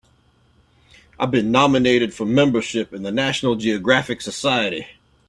I've been nominated for membership in the National Geographic Society.